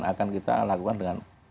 akan kita lakukan dengan